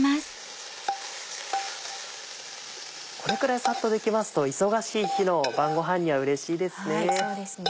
これくらいサッとできますと忙しい日の晩ごはんにはうれしいですね。